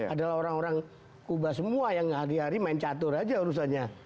adalah orang orang kuba semua yang hari hari main catur aja urusannya